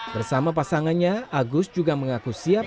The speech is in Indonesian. bersama pasangannya agus juga mengaku siap